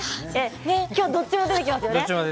今日はどっちも出てきますね。